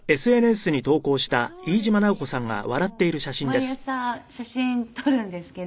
毎朝写真撮るんですけど。